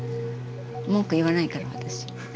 文句言わないから私。